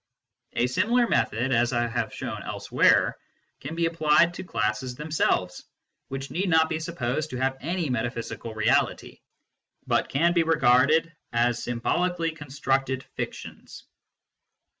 A similar method, as I have shown elsewhere, can be applied to classes themselves, which need not be supposed to have any metaphysical reality, but can be regarded as symbolically constructed fictions.